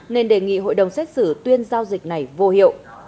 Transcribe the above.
nên đề nghị hội đồng xét xử tuyên giao dịch này vô hiệu